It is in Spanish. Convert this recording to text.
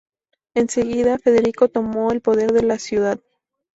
Enseguida, Federico tomó el poder de la ciudad.